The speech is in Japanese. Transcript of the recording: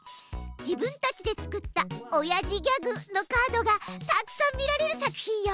自分たちで作ったおやじギャグのカードがたくさん見られる作品よ。